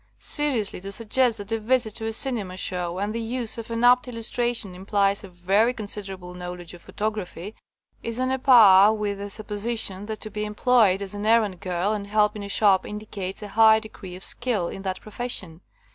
Seriously to suggest that 82 RECEPTION OF THE FIRST PHOTOGRAPHS a visit to a cinema show and the use of an apt illustration implies *a very considerable knowledge of i)hotography' is on a par with the supposition that to be employed as an errand girl and help in a shop indicates a high degree of skill in that profession